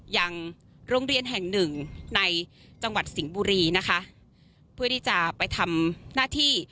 ยังโรงเรียนแห่งหนึ่งในจังหวัดสิงห์บุรีนะคะเพื่อที่จะไปทำหน้าที่